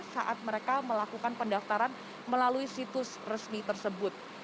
saat mereka melakukan pendaftaran melalui situs resmi tersebut